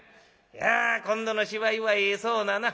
いや今度の芝居はええそうなな。